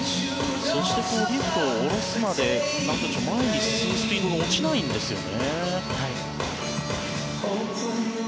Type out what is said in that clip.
そしてリフトを下ろすまで前に進むスピードが落ちないんですよね。